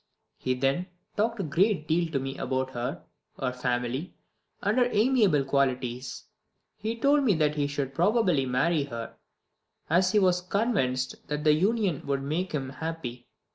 He then talked a great deal to me about her, her family, and her amiable qualities; he told me that he should probably marry her, as he was convinced that the union would make him happy.